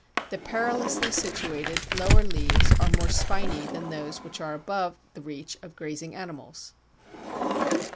The perilously situated lower leaves are more spiny than those which are above the reach of grazing animals.